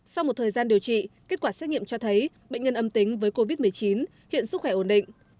sau một thời gian điều trị kết quả xét nghiệm cho thấy bệnh nhân âm tính với covid một mươi chín hiện sức khỏe ổn định